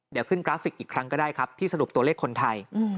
เดี๋ยวขึ้นกราฟิกอีกครั้งก็ได้ครับที่สรุปตัวเลขคนไทย